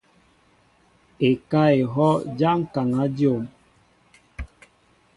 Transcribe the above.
Ekáá ehɔʼ ja ŋkaŋa dyom.